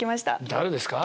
誰ですか？